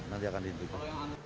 ya nanti akan dihentikan